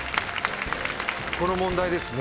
この問題ですね